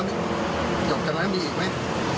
ไม่รู้ว่าเพราะหนีกลับก่อน